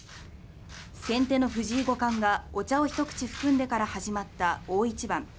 先手の藤井五冠がお茶を一口含んでから始まった大一番。